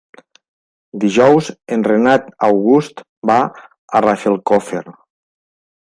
Dijous en Renat August va a Rafelcofer.